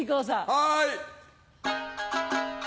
はい。